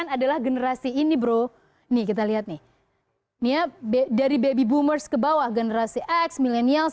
adalah generasi ini bro nih kita lihat nih nia b dari baby boomers kebawah generasi x millenials